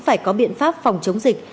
phải có biện pháp phòng chống dịch